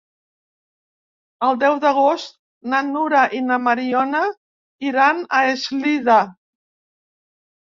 El deu d'agost na Nura i na Mariona iran a Eslida.